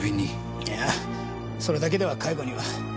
いやぁそれだけでは解雇には。